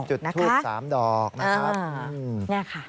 จุดทูตสามดอกง่ายค่ะ